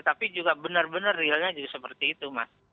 tapi juga benar benar realnya jadi seperti itu mas